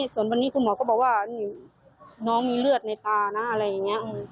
ส่วนวันนี้คุณหมอก็บอกว่าน้องมีเลือดในตานะอะไรอย่างนี้